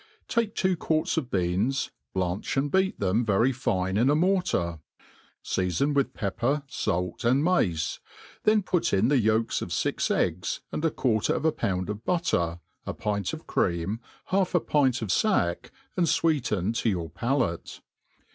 .. TAKE two quarts of beans, blanch and beat them very fine 10 a niortar ; ieafon With pepper, talt, and mjice ; then put in the yoflts of fix ^gs, and a quarter of a pound of butter, a pint of cream, half a pint of fack, and fweeten lx> your palate.